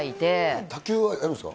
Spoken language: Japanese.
卓球はやるんですか。